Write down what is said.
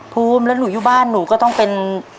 ภูมิแล้วหนูอยู่บ้านหนูก็ต้องเป็น